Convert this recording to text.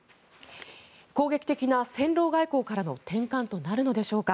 攻撃的な戦狼外交の転換となるのでしょうか